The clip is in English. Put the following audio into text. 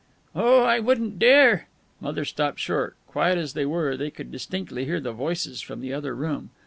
"Oh, I wouldn't dare " Mother stopped short. Quiet as they were, they could distinctly hear the voices from the other room.